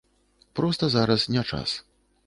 Проста зараз не час.